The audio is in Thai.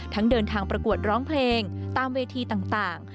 เดินทางประกวดร้องเพลงตามเวทีต่าง